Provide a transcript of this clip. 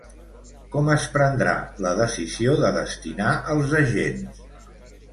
Com es prendrà la decisió de destinar els agents?